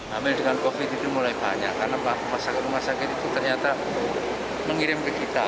hamil dengan covid sembilan belas itu mulai banyak karena rumah sakit itu ternyata mengirim ke kita